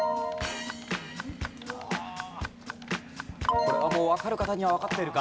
これはもうわかる方にはわかっているか？